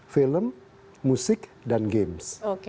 film musik dan games